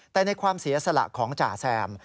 แต่ในความเสียสละของจ่าแซม